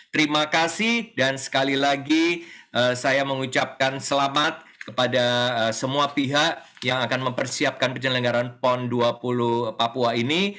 terima kasih dan sekali lagi saya mengucapkan selamat kepada semua pihak yang akan mempersiapkan penyelenggaran pon dua puluh papua ini